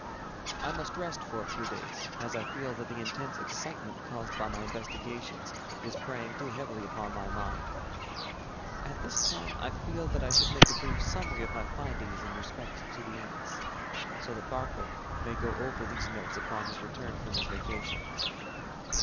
I must rest for a few days, as I feel that the intense excitement caused by my investigations, is preying too heavily upon my mind. At this time, I feel that I should make a brief summary of my findings in respect to the ants, so that Barclay may go over these notes upon his return from his vacation.